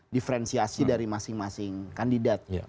diferensiasi dari masing masing kandidat